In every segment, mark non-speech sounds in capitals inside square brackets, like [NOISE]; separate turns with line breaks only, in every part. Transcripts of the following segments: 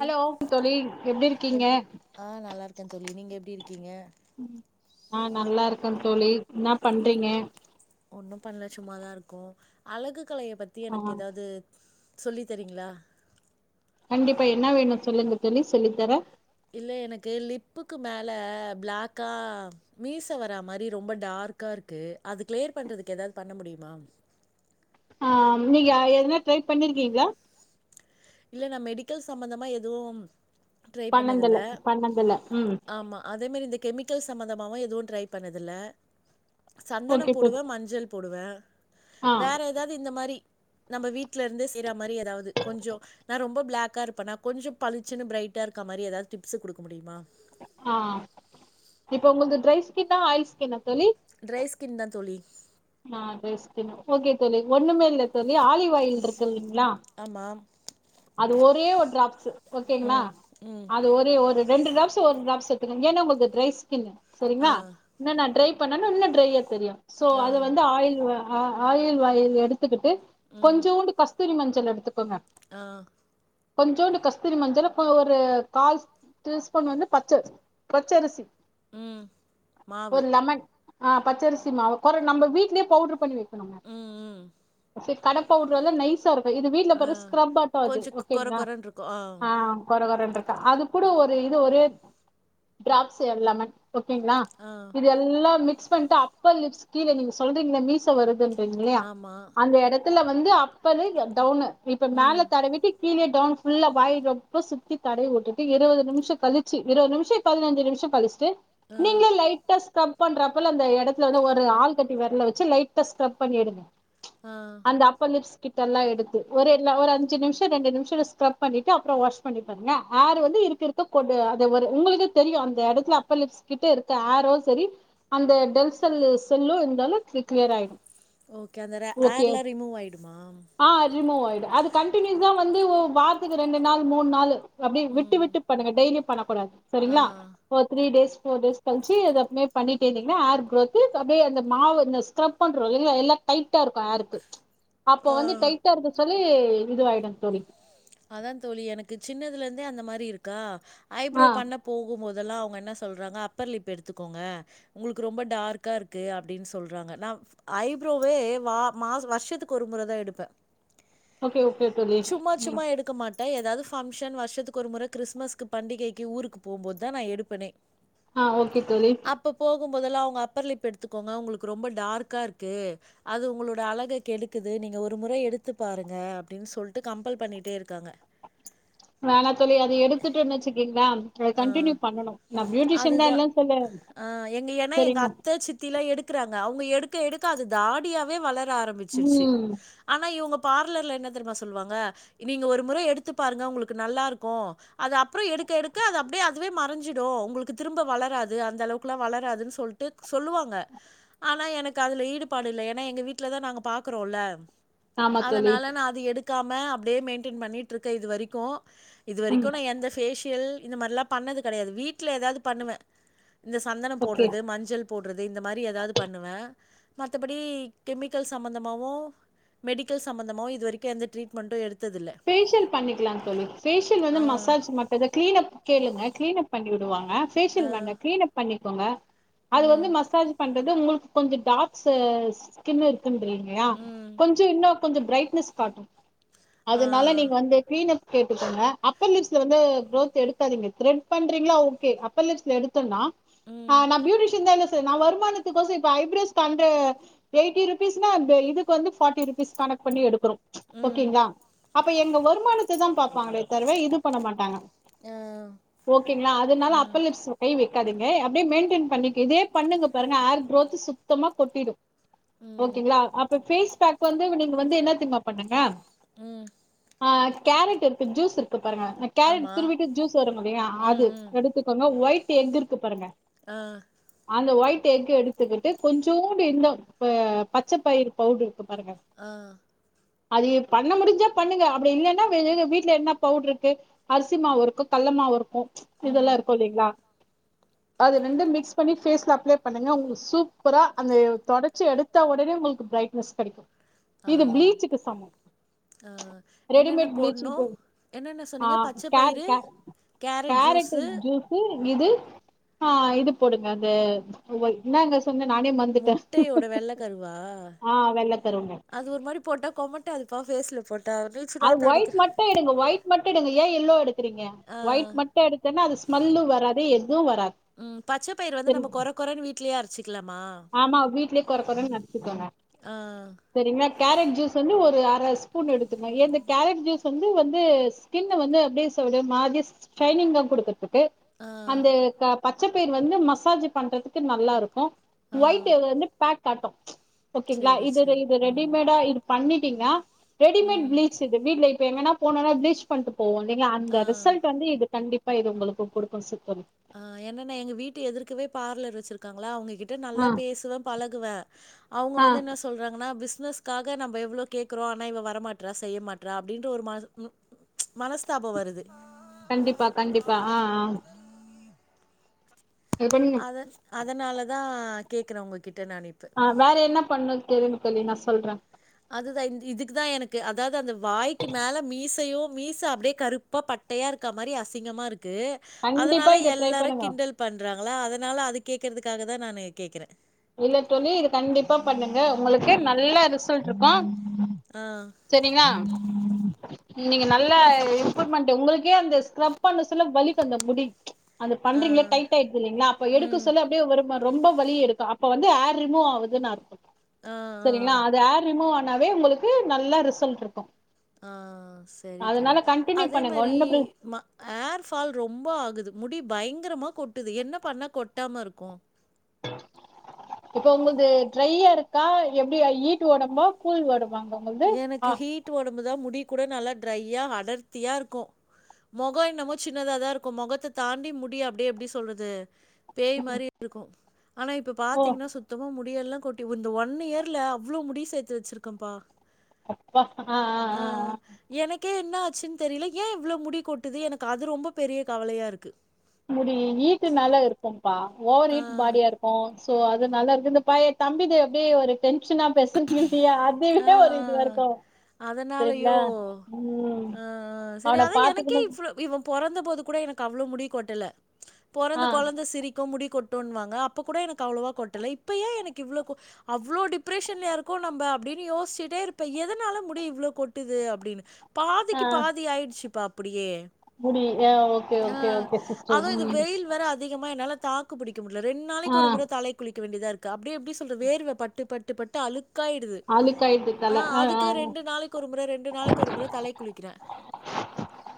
எப்டி
ஹலோ தோழி எப்டி இருக்கீங்க
எப்டி ஆஹ் நல்லா இருக்கே தோழி நீங்க எப்டி இருக்கீங்க
ஆஹ் நல்லா இருக்கேன் தோழி என்ன பண்றீங்க
ஒன்னும் பண்ணல சும்மாதா இருக்கோ அழகு கலய பத்தி
ஆ
எனக்கு எதாது சொல்லி தரீங்களா
கண்டிப்பா என்ன வேணு சொல்லுங்க தோழி சொல்லித்தரே
இல்ல எனக்கு லிப்புக்கு மேல பிளாக்கா மீச வரா மாரி ரொம்ப டார்க்கா இருக்கு அது கிளியர் பண்றதுக்கு ஏதாது பண்ண முடியுமா
ஆ நீங்க எதுனா ட்ரை பண்ணிருக்கீங்களா
இல்ல நான் மெடிக்கல் சம்பந்தமா எதுவு ட்ரை பண்ணது இல்ல
பண்ணதில்ல பண்ணதில்ல ம்
ஆமா அதே மாரி இந்த கெமிக் சம்பந்தமாவும் எதுவும் ட்ரை பண்ணதில்ல சந்தனம்
ஓகே தோழி
போடுவேன் மஞ்சள் போடுவேன்
ஆ
வேற ஏதாது இந்த மாரி நம்ம வீட்ல இருந்தே செய்யற மாரி ஏதாவது கொஞ்சம் நான் ரொம்ப பிளாக்கா இருப்பேனா கொஞ்சம் பளிச்சின்னு பிரைட்டா இருக்க மாரி ஏதாவது டிப்ஸ் குடுக்க முடியுமா
ஆஹ் இப்ப உங்கள்து ட்ரை ஸ்கின்னா ஆயில் ஸ்கின்னா
ட்ரைஸ்கின் தா தோழி
ஆஹ் ட்ரைஸ்கின் ஓகே தோழி ஒண்ணுமேல ஆலிவ் ஆயில் இருக்குங்களா
ஆமா.
அது ஒரே ஒரு டிராப்ஸு ஓகேங்களா
ம். ம்.
அது ஒரே ஒரு ரெண்டு ட்ராப்ஸ் ஒரு ட்ராப்ஸ் எத்துக்கங்க ஏன்னா உங்களுக்கு டிரை ஸ்கின்னு
ஆ.
சரிங்களா என்ன நான் ட்ரை இப்ப [UNINTELLIGIBLE] ட்ரையா தெரியும் சோ
ஆ.
அது வந்து ஆயில் ஆஹ் ஆலிவ் வாயில் எடுத் க்கிட்டு
ம்.
கொஞ்சோண்டு கஸ்தூரி மஞ்சள் [UNINTELLIGIBLE] எடுத்துக்கோங்க
ஆஹ்
கொஞ்சோண்டு கஸ்தூரி மஞ்சள் ஒரு கால் டீஸ்பூன் வந்து பச்ச பச்சரிசி
ம். மாவு.
ஒருலமன் ஆஹ் பச்சரிசி மாவு கொற நம்ம வீட்லேயே பவுடர் பண்ணி
ம். ம்.
[UNINTELLIGIBLE] கடப்பவுடர் எலாம் நைஸ் இருக்கு இது வீட்டுல
ஆ.
போய் ஸ்க்ரப்பா து
கொஞ்சம் கொர
ஓகேங்களா
கொரன்னு இருக்கும். ஆ.
அஹ் [UNINTELLIGIBLE] அது கூட ஒரு இது ஒரே ட்ராப்ஸ் லலமன். ஓகேங்களா
ஆ.
இது எல்லா மிக். மிக்ஸ் பண்ணிட்டு அப்பர் லிப்ஸ் கீழ நீங் சொல்றீங்கள மீச வருதுன். யையா
ஆமா.
அந்த இடத்து த்துல வந்து அப்பரு டவுனு. இப்ப
ம்.
மேல. கீழே டவுன் ஃபுல்லா வாய் பக்கோ சுத்தி தடவி வுட்டுட்டு இருவது நிம்ஷோ கழிச்சு இருவது நிம்ஷோ பதினன்ஜி நிம்ஷோ கழிச்சு. ச்சு
ஆ.
நீங்களே லைட்டா ஸ்கரப். பண்றப்ப அந்த இடத்துல வந்து ஒரு ஆள் கட்டி விரல வச்சு லைட்டா ஸ்கரப் பண்ணிடுங்க. ம்ச்
ஆ.
அந்த அப்பர்லிப்ஸ். கிட்டல்லா எடுத்து ஒரெல்லா ஒரு அஞ்சு. அஞ்சு நிம்ஷோ ரெண்டு நிம்ஷோ ஸ்கரப் பண்ணிட்டு அப்புறோ வாஷ் பண்ணி பாருங்க ஹேர் வந்து இருக்க இருக்க அது ஒரு உங்களுக்கே தெரியு அந்த இடத்துல அப்பர் லிப்ஸ் கிட்ட இருக்க ஹேரு சேரி அந்த டெல் செல்லு செல்லும் இருந்தாலும் க்கிளியர் ஆயிடு.
ஓகே அந்த
ஓகே
ஹேர்லா ரிமூவ் ஆய்டுமா.
ஆ ரிமூவ் ஆயிடு [UNINTELLIGIBLE] வந்து வார்த்தக்கு ரெண்டு நாள் மூணு நாளு. அப்படியே விட்டு
ம்
விட்டு பண்ணுங்க டெய்லியும். பண்ணக் கூடாது.
ஆ
சேரிங்களா ஒரு த்ரீ டேஸ். ஃபோர் டேஸ் களுச்சு இத அப்டியே பண்ணிட்டிருந்தீங்கங்கனா ஹேர் கிரோத்து அப்படியே அந்த மாவு இந்த ஸ்கிரப் பண்றோம் இல்ல எல்லா டைட். டா இருக்கு ஹேர்க்கு ம்ச். அப்போ
ஆ
வந்து டைட்டா இருக்குனு சொல்லி. ஏ. இதுவாய்டும் தோழி.
அதா தோழி எனக்கு சின்னதுல இருந்தே அந்த மாரி இருக்கா. ஐப்ரோ
ஆ
பண்ண போகும் போதுலா. அவங்க என்ன சொல்றாங்க அப்பர் லிப் எடுத்துக்கோங்க உங்களுக்கு ரொம்ப டார்கா இருக்கு அப்டின்னு சொல்றாங்க நா ஐப்ரோவே வ மா வருஷத்துக்கு ஒரு முறதா எடுப்ப.
ஓகே ஓகே தோழி. ம்
ச்சும்மா எடுக்க மாட். ட ஏதாவது பங்க்ஷன் வருஷத்துக்கு ஒரு முற கிறிஸ்மஸ்கு பண்டிகைக்கு ஊருக்கு போம்போதுதா நா எடுப்பணே.
ஆஹ ஓகே தோழி.
முதல்ல அவங்க அப்பர்லிப் எடுத்துக்கோங்க உங்களுக்கு ரொம்ப டார்கா இருக்கு. அது உங்களோட அழக கெடுக்குது நீங்க ஒரு முற எடுத்து பாருங்க அப்டின்னு சொல்டு கம்பல். பண்ணிட்டே இருக்காங்க.
வேணா தோழி அது எடுத்துட்டோன்னு வச்சுக்கங். க்களாம்
ஆ
கண்டின்நியூ பண்ணனு. நா பியூட்டிஷன்தா
அதுதா
இல்லன்னு சொல்லல்ல.
ஆ
சேரிங்க.
க்குராங்க அவங்க எடுக்க எடுக்க அது தாடியாவே வளர். ர ஆரம்பிச்சிருச்சு
ம்
ஆனா இவங்க. பார்லர்ல என்ன தெருமா சொல்லுவாங்க. நீங்க ஒரு முற எடுத்து பாருங்க உங்களுக்கு நல்லா இருக்கு அது அப்புறோ எடுக்க எடுக். க அது அப்டே அதுவே மறஞ்சிடும் உங்களுக்கு திரும்ப வளராது அந்த அளவுக்குலாம் வளராதுன்னு சொல்டு சொல்லுவாங்க ஆனா எனக்கு அதுல ஈடுபாடு இல்ல ஏன்னா எங்க வீட்டுலதான் நாங்க பாக்கறோல
ஆமா தோழி
அதனால நான் அது எடுத் க்காம அப்டே மெயின்டென் பண்ணிட்டிருக்க இது வரைக்கும் இது
ம்
வரைக்கும் நான் எந்த பேஷியல் இந்த மாரிலாம் பண்ணது கெடையாது வீட்ல ஏதாது பண்ணுவேன் இந்த சந்தனம்
ஓகே
போட்றது மஞ்சள் போட்றது இந்த மாரி ஏதாது பண்ணுவேன் மத்தபடி கெமிக்கல் சம்பந்தமாகவும் மெடிக்கல் சம்பந்தமாவும் இதுவரைக்கும் எந்த ட்ரீட்மெண்ட்டும் எடு
பேஷியல் பண்ணிக்லாம் தோலி பேஷியல் வந்து
ஆ,
மசாஜ் மட்டும் தான் கிளீன் அப் கேளுங்க கிளீன் அப் பண்ணி விடுவாங்க ஆ பேஷியல் வேண்டா க்ளீன் அப் பண்ணி போங்க அது
ம்,
வந்து மசாஜ் பண்றது உங்களுக் கொஞ்ச டார்க்ஸ் ஸ்கின்னுருக்கு
ம்,
[UNINTELLIGIBLE] கொஞ்ச இன்னு கொஞ்ச பிரைட்னஸ் காட்டும்
ஆ,
அதனால நீங்க வந்து கிளினப் கேட்டுக்கோங்க அப்பரிலிஸ்ட் வந்து க்ரோத் எடுக்காதீங்க த்ரெட் பண்றீங்களா ஓகே அப்பரிலிஸ்ட் எடுத்தோனா
ம்,
ஆஹ் நான் பியூடிஷன் இந்த நா வருமானத்துக்கோச இப்ப ஐப்ரோஸ் வந்து எயிட்டிருப்பிஸ்னா இதுக்கு வந்து ஃபாட்டிருப்பிஸ் கணக்குபண்ணி எடுக்குறோ
ம்,
ஓகேங்களா அப்ப எங்க வருமானத்த தா பாப்பாங்களே தவிர இது பண்ண மாட்டாங்க
ஆ,
ஓகேங்களா அதனால
ம்,
அப்பலிஸ் கை வை இருக்காதங்க அப்டியே மெயின்டெ பண்ணி இதே பண்ணுங்க பாருங்க ஆர் க் ரோத் சுத்தமா கொட்டிடு
ம்,
ஓகேங்களா அப்ப பேஸ் பேக் வந்து நீங்க வந்து என்ன [UNINTELLIGIBLE] பண்ணுங்க
உம்
ஆ கேரட் இர்க்கு ஜூஸ் இர்க்கு பாருங்க கேரட்
ஆமா.
துருவிட்டு ஜூஸ் வரும் பாத்திங்களா
ம்,
அது
ம்.
எடுத்துகோங்க ஒயிட் [UNINTELLIGIBLE] எங்கு இருக்கு பாருங்க
ஆ
அந்த ஒயிட் எஃக்கு எடுத்துகிட்டு கொஞ்ஜோண்டு இன்னு பச்ச பயிர் பவுட்ரு
ஆஹம்
அது இப் பண்ண முடிஞ்சா பண்ணுங்க அப்டி இல்லனா வீட்ல என்ன பவுட்ரு இருக்கு அரிசி மாவு இருக்கு கள்ள மாவு இருக்கு ம் ச் இதெல்லா
ம்.
இருக்கு இல்லங்களா அது ரெண்டு மிக்ஸ் பண்ணி பேஸ்ல அப்ளே பண்ணுங்க உங்ளுக்கு சூப்பரா அந்த தொடச்சி எடுத்த உடனே உங்களுக்கு பிரைட்னஸ் கெடைக்கும்
ஆ.
இது பிளீச்சுக்கு சமம்
ஆ என்னென்ன
ரெடிமேட் ப்ளீச்
போடணு
இப்ப
என்னென்ன
ஆ
சொன்னீங்க பச்சை
கேர
பயிறு
கே
கேரட் ஜூஸ்சு
இது ஆஹ் இது போடுங்க அந்த என்னங்க சொன்ன நானே மறந்துட்டே
முட்டையோட வெள்ள கருவா
ஆ வெள்ள கருங்க
அது ஒரு மாரி போட்டா கொமட் அது பா பேஸ்ல போட்டு
அது ஒயிட் மட்டு எடுங்க ஒயிட் மட்டு எடுங்க ஏன் எல்லோ எடுக்றீங்க
ஆ.
ஒயிட் மட்டு எடுத்தன்னா அது ஸ்மெல்லு வராது எதுவு வராது
உம் பச்ச பயிறு வந்து
சரி
நம்ம கொற கொறன்னு வீட்லேயே அரைச்
ஆமா வீட்லயே கொற கொறன்னு அரச்சுகோங்க
ஆ.
சரிங்களா கேரட் ஜூஸ் வந்து ஒரு ஸ்பூன் எடுத்துக்க எது கேரட் ஜூஸ் வந்துந்து ஸ்கின்ன வந்து ஒரு மாஜிஸ் சைனீங்கா கொடுத்துருக்கும் ஒகே
ஆ.
அந்த கப் பச்சைப்பயிர் வந்து மசாஜ் பண்றதுக்கு நல்லா இருக்கும்
ஆ.
ஒயிட் எக் வந்து பேக் காட்டு ஓகேங்களா
சரி,
இது
சரி.
இது
ம்.
ரெடிமேடா இது பண்ணி இருக்கிங்களா ரெடிமேட்
ம்.
ப்ளீச் இது வீட்ல எங்கன்னா போனோனா ப்ளிச் பண்ட் போ போவோ இல்லிங்களா அந்த
ஆ.
ரிசல்ட் வந்து இது கண்டிப்ப பா உங்களுக்கு குடுக்கும் சுத்தம்
ஆ என்னனா எங்க வீட்டு எதிர்க்கவே பார்லர் வெச்சிருக்காங்களா அவுங்க கிட்டு
ஆ
நல்லா பேசுவே பலகுவே அவுங்க
ஆ
வந்து என்ன சொல்றாங்கனா பிஸ் பிஸ்னஸ்காக நம்ம எவ்ளோ கேக்குறோ ஆனா இவ வரமாட்றா செய்ய மாட்றா அப்டின்ற ஒரு மன மனஸ்தாபாம் வருது
கண்டிப்பா கண்டிப்பா ஆ ஆ இது பண்ணுங்க
அத அதனால தான் கேக்றே உங்க
ஆ வேற என்ன பண்ணும் தோழி தோழி நா சொல்றேன்
அது தான் இதுக்கு தான் எனக்கு அதாவது அந்த வாய்க்கு மேல மீசையோ மீச அப்டியே கருப்பா பட்டையா இருக்கா மாரி அசிங்கமா இருக்கு
கண்டிப்பா
அதனால
இத ட்ரை
எல்லாரு
பண்ணுங்க
கிண்டல் பண்றாங்களா அதனால அதுக்கு கேக்றதுக்காக தான் நானு கேக்றேன்
இல்ல தோழி இது கண்டிப்பா பண்ணுங்க உங்களுக்கு
ம்.
நல்ல ரிசல்ட் இரு ஆம்
ஆ.
செரிங்களா நீங்க நல்ல இம்ப்ரூம்மென்ட்டு உங்களுக்கே அந்த ஸ்க்ரப் பண்ண செல்ல வலிக்கும் அந்த முடி அது
ஆ
பண்றீங்களே டைட் ஆயிருது இல்லைங்களா அப்ப எடுக்க
ம்
சொல்ல அப்டியே ஒரு ரொம்ப வலி எடுக்க அப் இப்போ வந்து ஹேர் ரிமூவ் ஆவுதுன்னு அர்த்தோம்
ஆ ஆ
செரிங்களா அது ஹேர் ரிமூவ் ஆ னேது உங்களுக்கு நல்ல ரிசல்ட் இருக்கோம்
ஆ செரி தோலி
கண்டினியூ
அதே
பண்ணுங்க
மேரி
ஒன்னு பிர
ஹேர் ஃபால் ரொம்ப ஆகுது முடி பயங்கரமா கொட்டுது என்ன பண்ணா கொட்டாம இருக்கோம்
இப்ப உங்கள்து ட்ரையா இருக்கா எப்டி ஈட் ஒடம்பா கூல் ஒடம் வாங்க உங்கள்து அ
உங்கள்தா முடி கூட நல்லா ட்ரையா அடர்த்தியா இருக்கோம் மொகோ என்னமோ சின்னதா தா இருக்கு மொகத்தை தாண்டி முடி அப்டியே எப்டி சொல்றது பேய் மாரி இருக்கும் ஆனா இப்ப
ஓ
பாத்தீங்கனா சுத்தமா முடி முடியல்லாம் கொட்டி இந்த ஒன் இயர்ல அவ்ளோ முடி சேர்த்து வச்சிருக்கேன்ப்பா
அப்பா ஆஹ் ஹ ஹ ஹ
சின் தெரியல ஏன் இவ்வளவு முடி கொட்டுது எனக்கு அது ரொம்ப பெரிய கவலையா இருக்கு
முடி ஹிட்டு நால இருக்கும் ப ஓவர்
ஆ.
ஹீட் பாடியா இருக்கோம் சோ அது நல்லா இருக்கு இந்த பைய தம்பி து அப்படியே ஒரு டென் பிரச்சனா பெரிசல் நிறுத்தி
ஆ,
அதுவிட ஒரு
ஆ.
இதுவ இருக்கும் சரிங்களா
அதனாலயோ!
உம்
ஆ, சரி
அவனை
அதான் எனக்கே
பாத்துக்கணும்
இவ்ளோ இவன் பொறந்தபோது கூட எனக்கு அவ்ளோ முடி கொட்டல பொறந்த கொழந்த சிரிக்கும் முடி கொட்டு கொட்டோண்ணுவாங்க அப்ப கூட எனக்கு அவ்ளோவா கொட்டல இப்பயேன் எனக்கு இவ்ளவு அவ்ளோ டிப்ரெஷ டின்லி யாரோக்கோ நம்ம அப்படின்னு யோசிட்டே இருப்ப எதனால முடி இவ்ளோ கொட்டுது அப்டின்னு
ஆ
பாதிக்கு பாதி ஆயிடுச்சு பா அப்படியே
முடி ஏ ஓகே
ஆ.
ஓகே ஓகே சிஸ்டர்
அதுவும் இந்த
உம்
வெயில் வேற அதிகமா என்னால தாக்கு புடிக் க முடியல ரெண்டு நாளைக்கு ஒரு முறை தலைக்கு குளிக்க வேண்டியதார்க்கு குளிக்கவேண்டியதா இருக்கு அப்டி எப்டி சொல்ற வேர்வை பட்டுப்பட்டு பட்டு பட்டு அழுக்கு காயிடுது
அழுக்காயிடுது தல
ஹன்
ஆ ஆ
அதுக்கே ரெண்டு நாளைக்கு ஒரு முறை ரெண்டு நாளைக்கு ஒரு முறை தலை குளிக்கிறேன்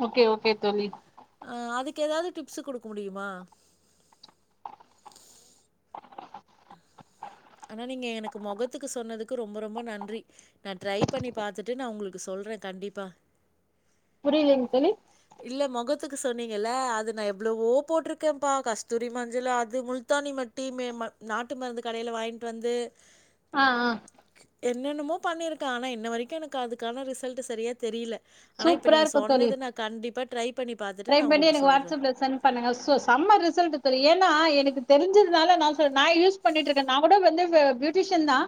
ஓகே ஓகே தோழி
அதுக் ஏதாவது டிப்ஸ்குடுக்க முடியுமா ஆனா நீங்க எனக்கு முகத்துக்கு சொன்னதுக்கு ரொம்ப ரொம்ப நன்றி நான் ட்ரை பண்ணி பாத்துட்டு நான் உங்களுக்கு சொல்றேன் கண்டிப்பா
புரியில்ங் தோலி
இல்லை முகத்துக்கு சொன்னீங்கல்ல அது நான் எவ்ளோவோ போட்டிருக்கேன்ப்பா கஸ்தூரி மஞ்சள் அது முல்தானி மட்டி மே நாட்டு மருந்து கடையில் வாய்ன் வந்து
ஆன் ஆன்
என்னென்னமோ பண்ணியிருக்கேன் ஆனா இன்ன வரைக்கும் எனக்கு அதுக்கான ரிசல்ட்டு் சரியாதெரியல
சூப்பரா இருக்கு தோழி
ட்ரை பண்ணி பார்த்துட்டு
ட்ரை
நான்
பண்ணி
உங்களுக்கு
எனக்கு
சொல்றேன்.
வாட்ஸ்அப்ல சென்ட் பண்ணுங்க செம்ம ரிசல்ட் தோழி ஏன்னா எனக்கு தெரிஞ்சு சதுனால நான் சொ நான் யூஸ் பண்ணிட்டு இருக்கேன் நான் கூட வந்து பியூட்டிஷியன் தான்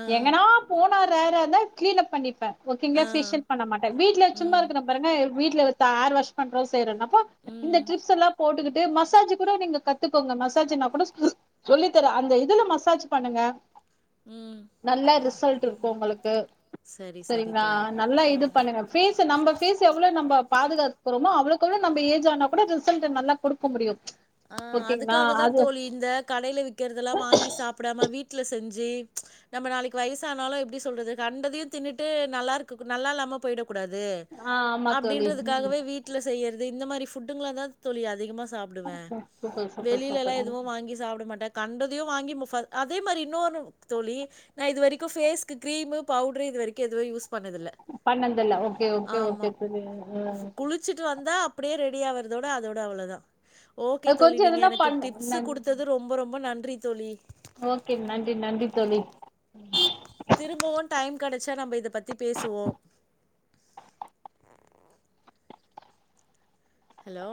ஆ,
எங்கனா போ ரேரா தான் கிளீன் அப் பண்ணிப்பேன் ஓகேங்ளா
ஆ.
ஃபேஷியல் பண்ண மாட்டேன் ட்ல சும்மா
ம்,
இருக்குறேன் பாருங்க வீட்டுல ஒருக்கா ஹேர் வாஷ் பண்றோம் செய்றோம் என்ன பண்ற து இந்த
ம்,
ட்ரிப்ஸ் எல்லாம் போட்டுக்கிட் டு மசாஜ் கூட நீங்க கத்துக்கோங்க மசாஜ்னா கூட சொல்லி தரேன் அந்த இதுல மசாஜ் பண்ணுங்க
ம்.
நல்ல ரிசல்ட் இருக்கும் உங்களுக்கு
சரி, சரி
சரிங்களா
தோழி.
நல்லா இது
ஆ.
ஃபேஸ் நம்ப ஃபேஸ் எவ்ளோ நம்ப பாதுகாத்துகுறோமோ அவ்ளோக் அவ்ளோ நம்ப ஏஜ் ஆனா கூட ரிசல்ட் நல்லா குடுக்க முடியும்
ஆஹ் அதுக்காக தான் தோழி இந்த கடையில விக்குறது எல்லாம் வாங்கி சாப்டாம வீட்ல செஞ்சு நம்ப நாளைக்கு வயசானாலும் எப்டி சொல்றது கண்டதையும் தின்னுட்டு நல்லா இருக்கு நல்லா இல்லாம போயிட கூடாது
ஆ ஆமா தோழி
அப்டின்றதுக்காகவே வீட்ல செய்ற இந்த மாரி ஃபுட்டுங்க தான் தோழி அதிகமா சாப்டுவேன்
சூப்பர் சூப்பர்
வெளிலலா
சூப்பர்
எதுவும் வாங்கி சாப் புட மாட்டேன் கண்டதையும் வாங்கி அதே மாரி இன்னொனு தோழி நான் இதுவரிக்கும் ஃபேஸ்க்கு கிரீமு பவுட்ரு இதுவரிக்கும் எதுவே யூஸ் பண்ணதில்ல
பண்ணதுதில்ல ஓகே ஓகே
ஆமா.
ஓகே புரியது உம்
அப்டியே ரெடி ஆவுறதோட அதோட அவ்ளோ தான் ஓகே தோழி
கொஞ்சோ
நீங்க
எதுனா
எனக்கு
பண்ண
டிப்ஸ்சு
நன்
குடுத்தது ரொம்ப ரொம்ப நன் றக தோழி
ஓகே நன்றி நன்றி தோழி
திரும்பவும் டைம் கடச்சா நம்ப இத பத்தி பேசுவோம் ஹலோ